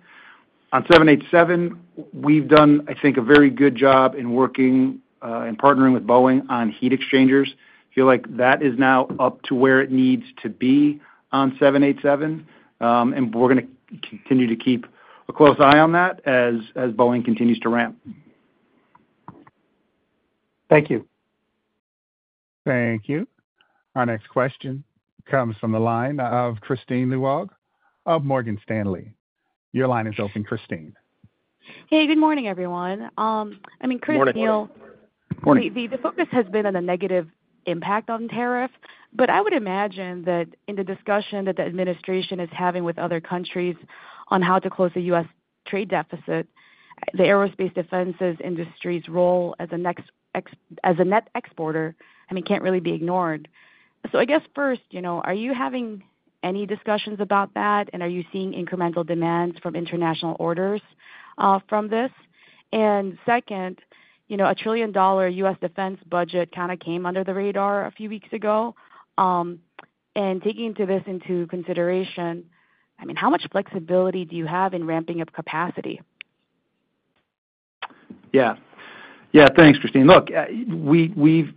Speaker 2: On 787, we've done, I think, a very good job in working and partnering with Boeing on heat exchangers. I feel like that is now up to where it needs to be on 787. We're going to continue to keep a close eye on that as Boeing continues to ramp.
Speaker 14: Thank you.
Speaker 1: Thank you. Our next question comes from the line of Kristine Liwag of Morgan Stanley. Your line is open, Kristine.
Speaker 15: Hey, good morning, everyone. I mean, Chris, Neil, the focus has been on the negative impact on tariff, but I would imagine that in the discussion that the administration is having with other countries on how to close the U.S. trade deficit, the aerospace defenses industry's role as a net exporter, I mean, can't really be ignored. I guess first, are you having any discussions about that, and are you seeing incremental demands from international orders from this? Second, a trillion-dollar U.S. defense budget kind of came under the radar a few weeks ago. Taking this into consideration, I mean, how much flexibility do you have in ramping up capacity?
Speaker 2: Yeah. Yeah. Thanks, Kristine. Look, we've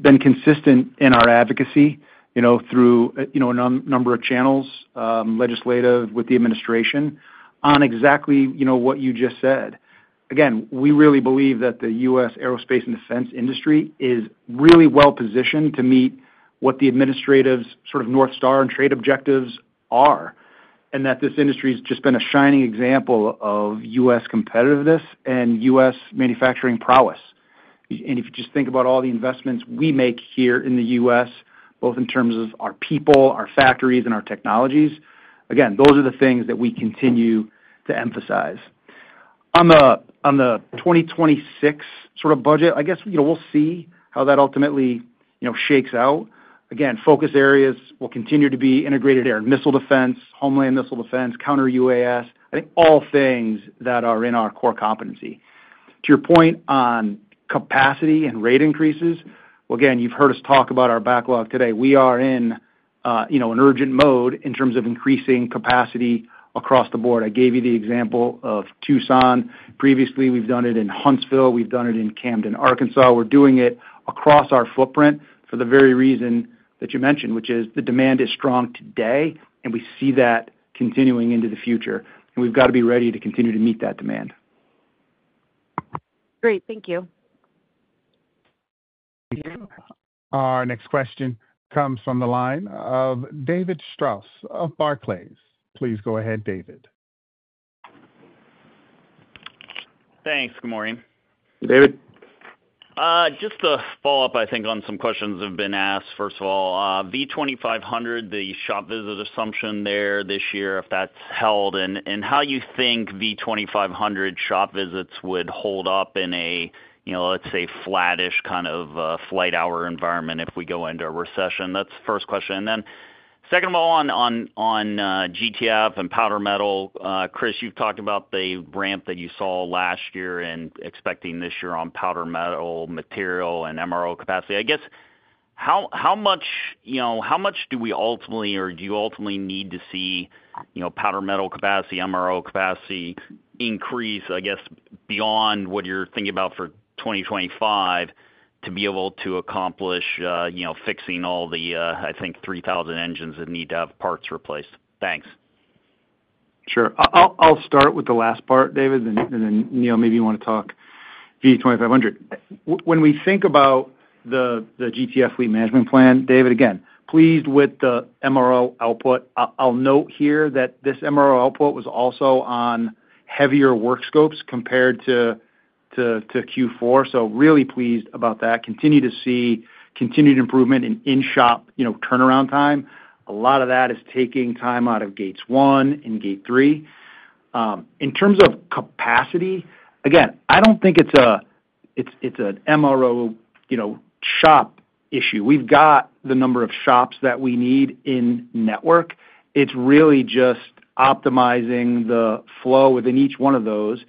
Speaker 2: been consistent in our advocacy through a number of channels, legislative with the administration, on exactly what you just said. Again, we really believe that the U.S. aerospace and defense industry is really well-positioned to meet what the administrative sort of North Star and trade objectives are, and that this industry has just been a shining example of U.S. competitiveness and U.S. manufacturing prowess. If you just think about all the investments we make here in the U.S., both in terms of our people, our factories, and our technologies, again, those are the things that we continue to emphasize. On the 2026 sort of budget, I guess we'll see how that ultimately shakes out. Focus areas will continue to be integrated air and missile defense, homeland missile defense, counter-UAS, I think all things that are in our core competency. To your point on capacity and rate increases, well, again, you've heard us talk about our backlog today. We are in an urgent mode in terms of increasing capacity across the board. I gave you the example of Tucson. Previously, we've done it in Huntsville. We've done it in Camden, Arkansas. We're doing it across our footprint for the very reason that you mentioned, which is the demand is strong today, and we see that continuing into the future. We've got to be ready to continue to meet that demand.
Speaker 15: Great. Thank you.
Speaker 1: Our next question comes from the line of David Strauss of Barclays. Please go ahead, David.
Speaker 16: Thanks. Good morning.
Speaker 2: David.
Speaker 16: Just to follow up, I think, on some questions that have been asked. First of all, V2500, the shop visit assumption there this year, if that's held, and how you think V2500 shop visits would hold up in a, let's say, flattish kind of flight hour environment if we go into a recession. That's the first question. Second of all, on GTF and powder metal, Chris, you've talked about the ramp that you saw last year and expecting this year on powder metal material and MRO capacity. I guess how much do we ultimately or do you ultimately need to see powder metal capacity, MRO capacity increase, I guess, beyond what you're thinking about for 2025 to be able to accomplish fixing all the, I think, 3,000 engines that need to have parts replaced? Thanks.
Speaker 2: Sure. I'll start with the last part, David, and then Neil maybe you want to talk V2500. When we think about the GTF fleet management plan, David, again, pleased with the MRO output. I'll note here that this MRO output was also on heavier work scopes compared to Q4. Really pleased about that. Continue to see continued improvement in in-shop turnaround time. A lot of that is taking time out of gates one and gate three. In terms of capacity, I don't think it's an MRO shop issue. We've got the number of shops that we need in network. It's really just optimizing the flow within each one of those.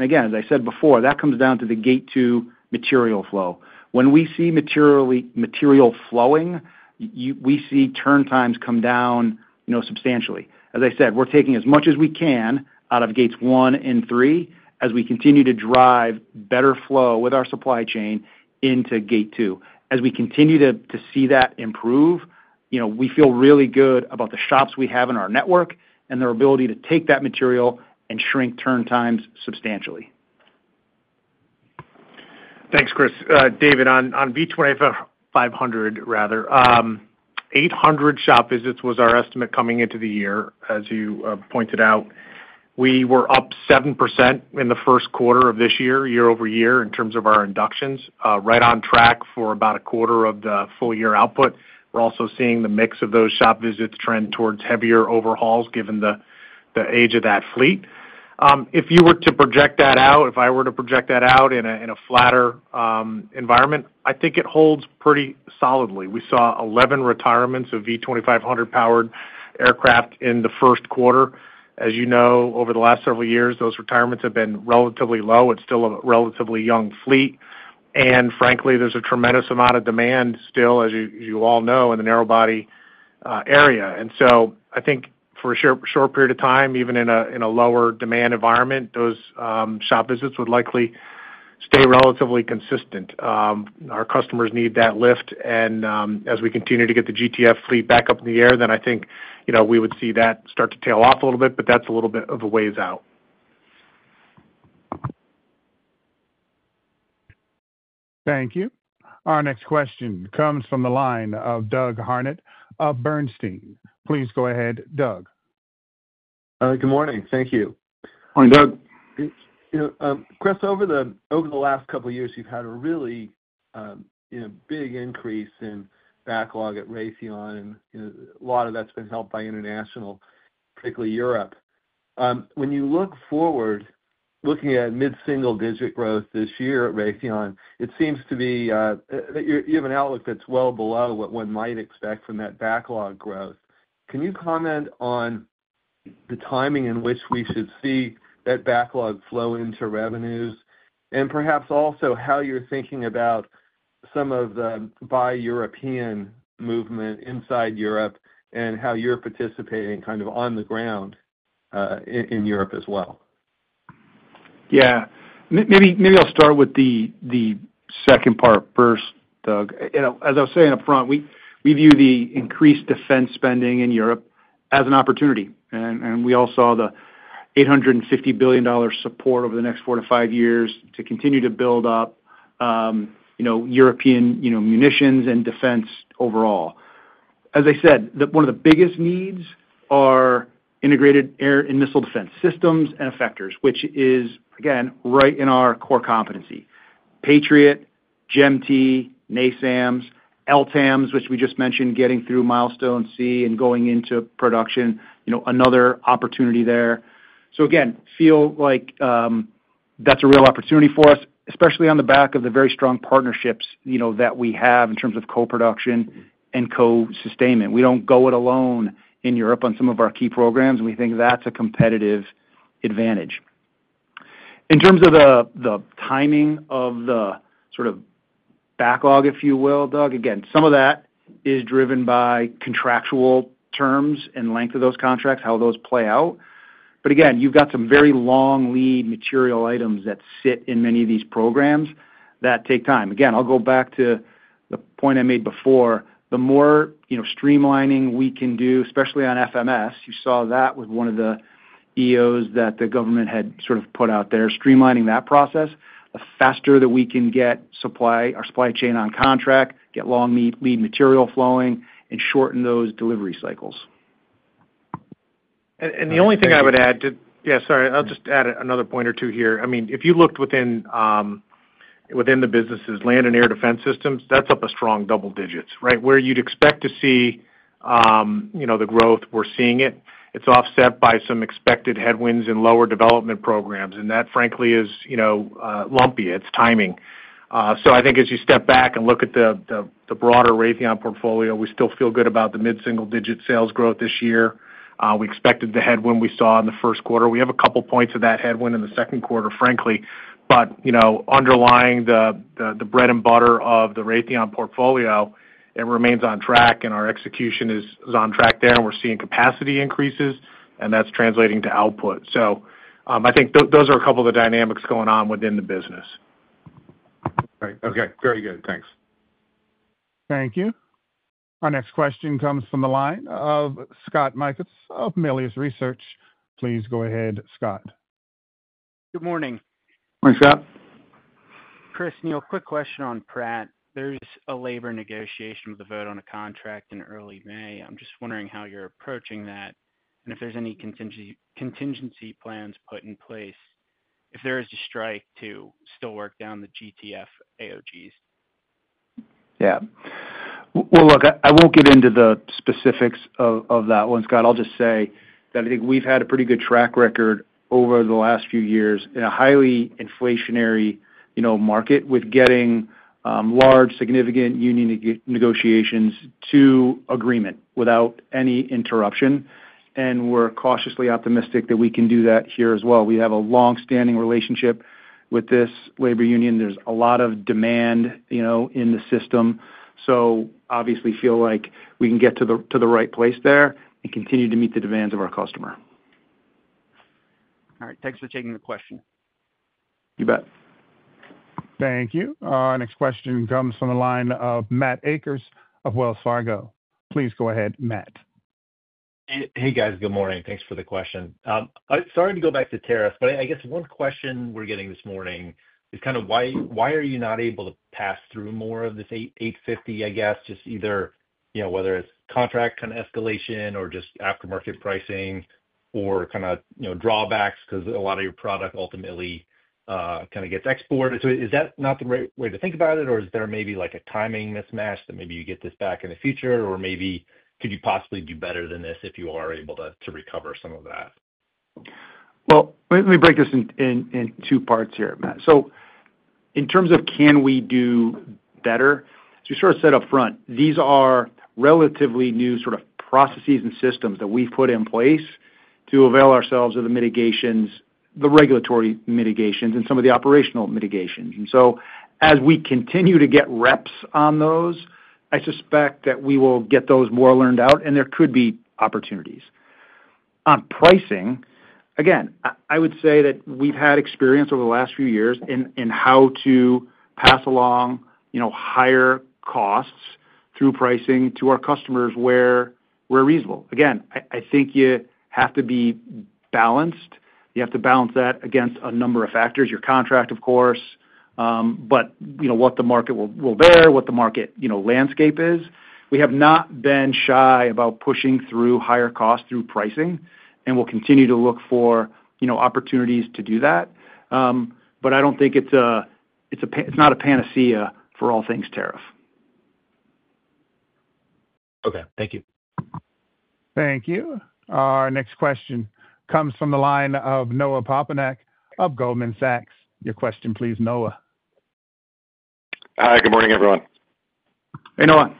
Speaker 2: As I said before, that comes down to the gate two material flow. When we see material flowing, we see turn times come down substantially.
Speaker 17: As I said, we're taking as much as we can out of gates one and three as we continue to drive better flow with our supply chain into gate two. As we continue to see that improve, we feel really good about the shops we have in our network and their ability to take that material and shrink turn times substantially.
Speaker 3: Thanks, Chris. David, on V2500, rather, 800 shop visits was our estimate coming into the year, as you pointed out. We were up 7% in the first quarter of this year, year over year, in terms of our inductions, right on track for about a quarter of the full-year output. We're also seeing the mix of those shop visits trend towards heavier overhauls given the age of that fleet. If you were to project that out, if I were to project that out in a flatter environment, I think it holds pretty solidly. We saw 11 retirements of V2500-powered aircraft in the first quarter. As you know, over the last several years, those retirements have been relatively low. It's still a relatively young fleet. Frankly, there's a tremendous amount of demand still, as you all know, in the narrow body area. I think for a short period of time, even in a lower demand environment, those shop visits would likely stay relatively consistent. Our customers need that lift. As we continue to get the GTF fleet back up in the air, I think we would see that start to tail off a little bit, but that's a little bit of a ways out.
Speaker 1: Thank you. Our next question comes from the line of Doug Harned of Bernstein. Please go ahead, Doug.
Speaker 18: Good morning. Thank you.
Speaker 2: Morning, Doug.
Speaker 18: Chris, over the last couple of years, you've had a really big increase in backlog at Raytheon, and a lot of that's been helped by international, particularly Europe. When you look forward, looking at mid-single-digit growth this year at Raytheon, it seems to be that you have an outlook that's well below what one might expect from that backlog growth. Can you comment on the timing in which we should see that backlog flow into revenues? Perhaps also how you're thinking about some of the buy European movement inside Europe and how you're participating kind of on the ground in Europe as well?
Speaker 2: Yeah. Maybe I'll start with the second part first, Doug. As I was saying upfront, we view the increased defense spending in Europe as an opportunity. We all saw the $850 billion support over the next four to five years to continue to build up European munitions and defense overall. As I said, one of the biggest needs are integrated air and missile defense systems and effectors, which is, again, right in our core competency: Patriot, GTF, NASAMS, LTAMDS, which we just mentioned, getting through milestone C and going into production, another opportunity there. Again, feel like that's a real opportunity for us, especially on the back of the very strong partnerships that we have in terms of co-production and co-sustainment. We don't go it alone in Europe on some of our key programs, and we think that's a competitive advantage. In terms of the timing of the sort of backlog, if you will, Doug, again, some of that is driven by contractual terms and length of those contracts, how those play out. Again, you've got some very long lead material items that sit in many of these programs that take time. Again, I'll go back to the point I made before. The more streamlining we can do, especially on FMS, you saw that with one of the EOs that the government had sort of put out there, streamlining that process, the faster that we can get our supply chain on contract, get long lead material flowing, and shorten those delivery cycles.
Speaker 3: The only thing I would add to—yeah, sorry. I'll just add another point or two here. I mean, if you looked within the businesses, land and air defense systems, that's up a strong double digits, right? Where you'd expect to see the growth, we're seeing it. It's offset by some expected headwinds and lower development programs. That, frankly, is lumpy. It's timing. I think as you step back and look at the broader Raytheon portfolio, we still feel good about the mid-single-digit sales growth this year. We expected the headwind we saw in the first quarter. We have a couple of points of that headwind in the second quarter, frankly. Underlying the bread and butter of the Raytheon portfolio, it remains on track, and our execution is on track there, and we're seeing capacity increases, and that's translating to output. I think those are a couple of the dynamics going on within the business.
Speaker 18: Right. Okay. Very good. Thanks.
Speaker 1: Thank you. Our next question comes from the line of Scott Mikus of Melius Research. Please go ahead, Scott.
Speaker 19: Good morning.
Speaker 2: Morning, Scott.
Speaker 19: Chris, Neil, quick question on Pratt. There's a labor negotiation with a vote on a contract in early May. I'm just wondering how you're approaching that and if there's any contingency plans put in place if there is a strike to still work down the GTF AOGs.
Speaker 2: Yeah. Look, I won't get into the specifics of that one, Scott. I'll just say that I think we've had a pretty good track record over the last few years in a highly inflationary market with getting large, significant union negotiations to agreement without any interruption. We're cautiously optimistic that we can do that here as well. We have a long-standing relationship with this labor union. There's a lot of demand in the system. Obviously, feel like we can get to the right place there and continue to meet the demands of our customer.
Speaker 19: All right. Thanks for taking the question.
Speaker 2: You bet.
Speaker 1: Thank you. Our next question comes from the line of Matt Akers of Wells Fargo. Please go ahead, Matt.
Speaker 20: Hey, guys. Good morning. Thanks for the question. Sorry to go back to tariffs, but I guess one question we're getting this morning is kind of why are you not able to pass through more of this $850, I guess, just either whether it's contract kind of escalation or just aftermarket pricing or kind of drawbacks because a lot of your product ultimately kind of gets exported. Is that not the right way to think about it, or is there maybe a timing mismatch that maybe you get this back in the future, or maybe could you possibly do better than this if you are able to recover some of that?
Speaker 2: Let me break this into two parts here, Matt. In terms of can we do better, as we sort of said upfront, these are relatively new sort of processes and systems that we've put in place to avail ourselves of the regulatory mitigations and some of the operational mitigations. As we continue to get reps on those, I suspect that we will get those more learned out, and there could be opportunities. On pricing, again, I would say that we've had experience over the last few years in how to pass along higher costs through pricing to our customers where we're reasonable. I think you have to be balanced. You have to balance that against a number of factors: your contract, of course, but what the market will bear, what the market landscape is. We have not been shy about pushing through higher costs through pricing, and we'll continue to look for opportunities to do that. I don't think it's not a panacea for all things tariff.
Speaker 20: Okay. Thank you.
Speaker 1: Thank you. Our next question comes from the line of Noah Papanek of Goldman Sachs. Your question, please, Noah.
Speaker 21: Hi. Good morning, everyone.
Speaker 2: Hey, Noah.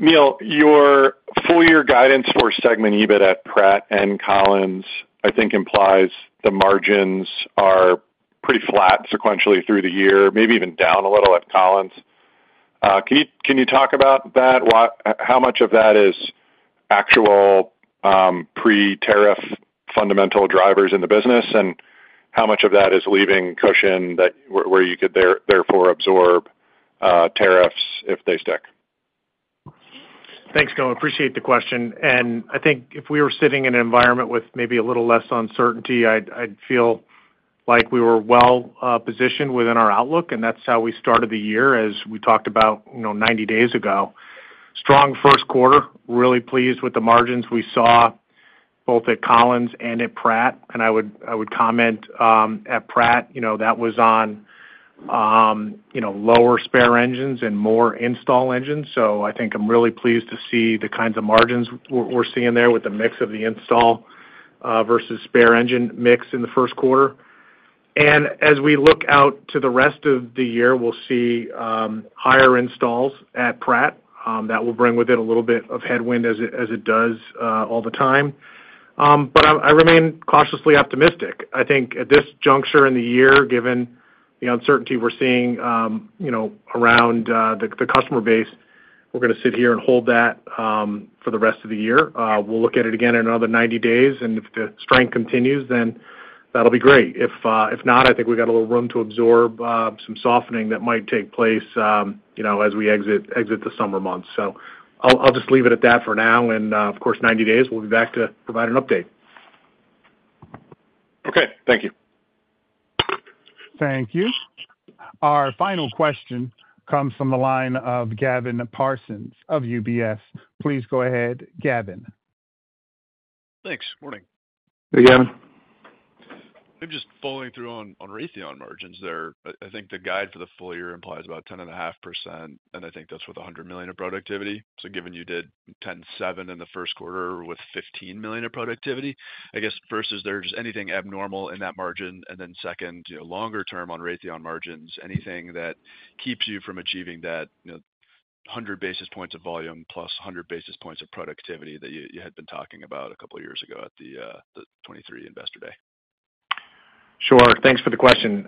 Speaker 21: Neil, your full-year guidance for segment EBIT at Pratt and Collins, I think, implies the margins are pretty flat sequentially through the year, maybe even down a little at Collins. Can you talk about that? How much of that is actual pre-tariff fundamental drivers in the business, and how much of that is leaving cushion where you could therefore absorb tariffs if they stick?
Speaker 3: Thanks, Neil. Appreciate the question. I think if we were sitting in an environment with maybe a little less uncertainty, I'd feel like we were well positioned within our outlook, and that's how we started the year, as we talked about 90 days ago. Strong first quarter. Really pleased with the margins we saw both at Collins and at Pratt. I would comment at Pratt, that was on lower spare engines and more install engines. I think I'm really pleased to see the kinds of margins we're seeing there with the mix of the install versus spare engine mix in the first quarter. As we look out to the rest of the year, we'll see higher installs at Pratt. That will bring with it a little bit of headwind as it does all the time. I remain cautiously optimistic. I think at this juncture in the year, given the uncertainty we're seeing around the customer base, we're going to sit here and hold that for the rest of the year. We'll look at it again in another 90 days. If the strength continues, then that'll be great. If not, I think we've got a little room to absorb some softening that might take place as we exit the summer months. I'll just leave it at that for now. Of course, in 90 days, we'll be back to provide an update.
Speaker 21: Okay. Thank you.
Speaker 1: Thank you. Our final question comes from the line of Gavin Parsons of UBS. Please go ahead, Gavin.
Speaker 22: Thanks. Morning.
Speaker 2: Hey, Gavin.
Speaker 22: I'm just following through on Raytheon margins there. I think the guide for the full year implies about 10.5%, and I think that's with $100 million of productivity. Given you did 10.7% in the first quarter with $15 million of productivity, I guess first, is there just anything abnormal in that margin? Second, longer term on Raytheon margins, anything that keeps you from achieving that 100 basis points of volume plus 100 basis points of productivity that you had been talking about a couple of years ago at the 2023 Investor Day?
Speaker 2: Sure. Thanks for the question.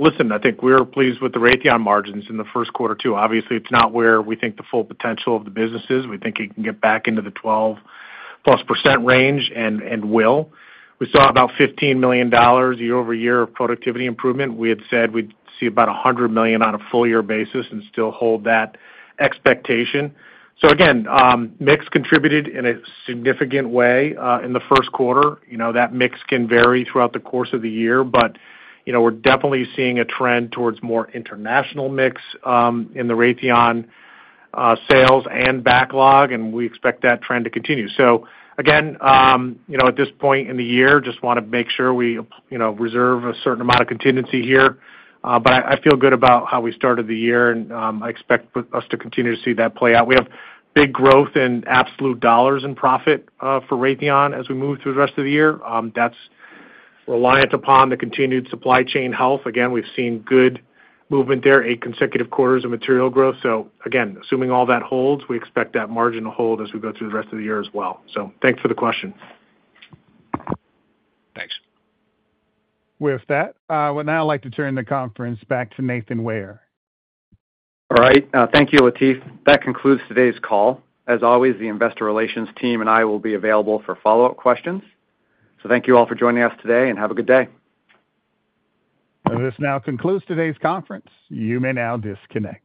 Speaker 2: Listen, I think we're pleased with the Raytheon margins in the first quarter too. Obviously, it's not where we think the full potential of the business is. We think it can get back into the 12+% range and will. We saw about $15 million year-over-year productivity improvement. We had said we'd see about $100 million on a full-year basis and still hold that expectation. Again, mix contributed in a significant way in the first quarter. That mix can vary throughout the course of the year, but we're definitely seeing a trend towards more international mix in the Raytheon sales and backlog, and we expect that trend to continue. At this point in the year, just want to make sure we reserve a certain amount of contingency here. I feel good about how we started the year, and I expect us to continue to see that play out. We have big growth in absolute dollars in profit for Raytheon as we move through the rest of the year. That is reliant upon the continued supply chain health. Again, we have seen good movement there, eight consecutive quarters of material growth. Again, assuming all that holds, we expect that margin to hold as we go through the rest of the year as well. Thanks for the question.
Speaker 22: Thanks.
Speaker 1: With that, I would now like to turn the conference back to Nathan Ware.
Speaker 4: All right. Thank you, Latif. That concludes today's call. As always, the Investor Relations team and I will be available for follow-up questions. Thank you all for joining us today, and have a good day.
Speaker 1: This now concludes today's conference. You may now disconnect.